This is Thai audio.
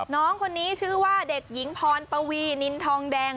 น้องคนนี้ชื่อว่าเด็กหญิงพรปวีนินทองแดง